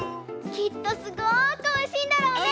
きっとすごくおいしいんだろうね。